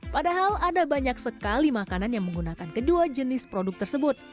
padahal ada banyak sekali makanan yang menggunakan kedua jenis produk tersebut